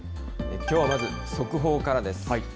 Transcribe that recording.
きょうはまず、速報からです。